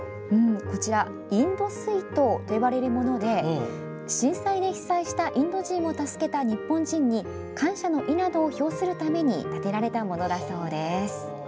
こちらインド水塔と呼ばれるもので震災で被災したインド人を助けた日本人に感謝の意などを表するため建てられたものだそうです。